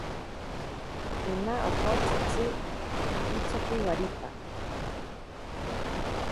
Ina okotsitzi itsoki waripa.